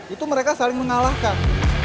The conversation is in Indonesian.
itu mereka saling mengalahkan